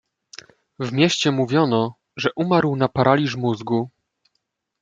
"„W mieście mówiono, że umarł na paraliż mózgu."